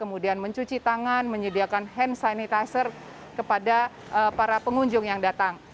kemudian mencuci tangan menyediakan hand sanitizer kepada para pengunjung yang datang